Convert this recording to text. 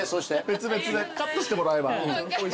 別々でカットしてもらえば。